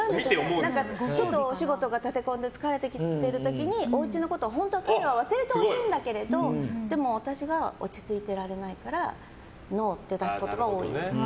ちょっとお仕事が立て込んで疲れてきている時におうちのことを本当は忘れてほしいんだけど私は落ち着いてられないからノーって出すことが多いです。